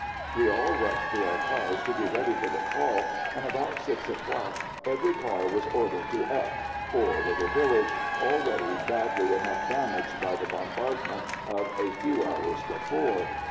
We all rushed to our cars to be ready for the call, and about six o'clock every car was ordered to X — poor little village already badly enough damaged by the bombard ment of a few hours before!